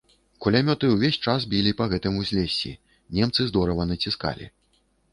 Кулямёты ўвесь час білі па гэтым узлессі, немцы здорава націскалі.